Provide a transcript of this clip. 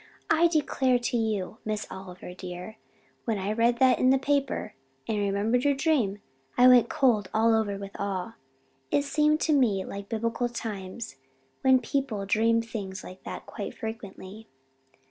I declare to you, Miss Oliver, dear, when I read that in the paper, and remembered your dream, I went cold all over with awe. It seemed to me like Biblical times when people dreamed things like that quite frequently.